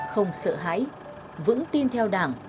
không sợ hãi vững tin theo đảng